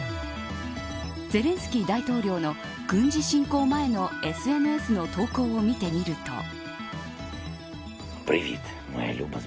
ゼレンスキー大統領の軍事侵攻前のＳＮＳの投稿を見てみると。